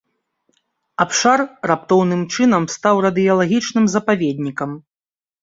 Абшар раптоўным чынам стаў радыелагічным запаведнікам.